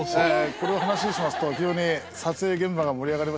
この話をしますと非常に撮影現場が盛り上がりまして。